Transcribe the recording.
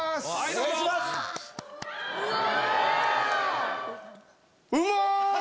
うわ！